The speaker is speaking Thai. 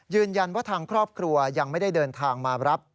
ยืนยันว่าทางครอบครัวยังไม่ได้เดินทางมารับ